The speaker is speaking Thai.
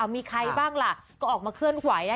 มีใครบ้างล่ะก็ออกมาเคลื่อนไหว